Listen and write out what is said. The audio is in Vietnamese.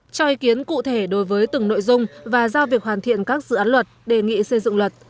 cho ý kiến cụ thể đối với từng nội dung và giao việc hoàn thiện các dự án luật đề nghị xây dựng luật